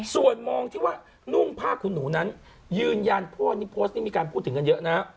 ส่วนมองที่ว่านุ่งผ้าขุนหนูนั้นยืนยันโพสต์นี้โพสต์นี้มีการพูดถึงกันเยอะนะ